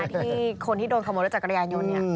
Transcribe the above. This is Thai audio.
ที่คนที่โดนขโมยรถจักรยานยนต์